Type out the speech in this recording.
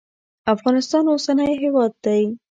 افغانستان اوسنی هیواد دی.